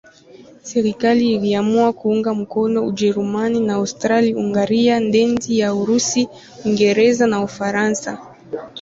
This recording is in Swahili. Serikali iliamua kuunga mkono Ujerumani na Austria-Hungaria dhidi ya Urusi, Uingereza na Ufaransa.